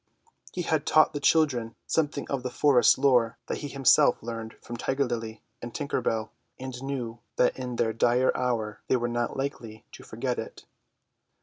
He had taught the children something of the forest lore that he had himself learned from Tiger Lily and Tinker Bell, and knew that in their dire hour they were not likely to forget it.